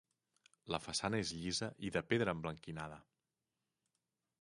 La façana és llisa i de pedra emblanquinada.